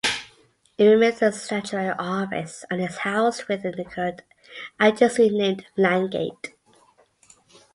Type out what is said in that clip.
It remains a statutory office, and is housed within the current agency named Landgate.